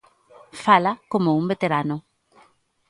Fala como un veterano.